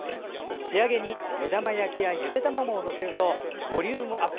仕上げに目玉焼きやゆで卵を載せるとボリュームアップ。